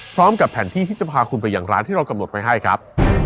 พร้อมกับแผนที่ที่จะพาคุณไปอย่างร้านที่เรากำหนดไว้ให้ครับ